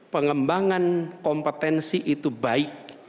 pengembangan kompetensi itu baik